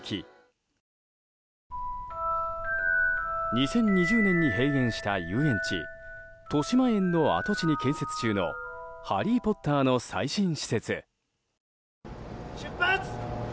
２０２０年に閉園した遊園地としまえんの跡地に建設中の「ハリー・ポッター」の最新施設。